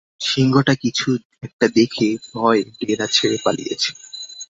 সিংহটা কিছু একটা দেখে ভয়ে ডেরা ছেড়ে পালিয়েছে।